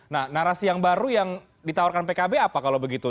nah narasi yang baru yang ditawarkan pkb apa kalau begitu